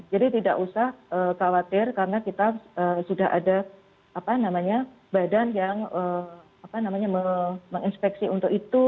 jadi tidak usah khawatir karena kita sudah ada badan yang menginspeksi untuk itu